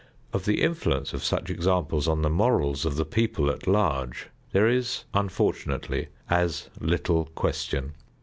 Of the influence of such examples on the morals of the people at large, there is, unfortunately, as little question.